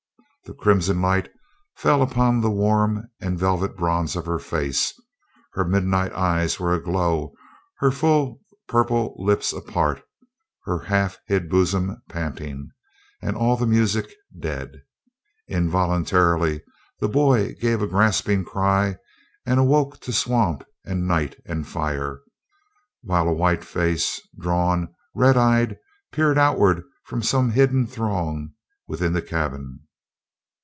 The crimson light fell full upon the warm and velvet bronze of her face her midnight eyes were aglow, her full purple lips apart, her half hid bosom panting, and all the music dead. Involuntarily the boy gave a gasping cry and awoke to swamp and night and fire, while a white face, drawn, red eyed, peered outward from some hidden throng within the cabin.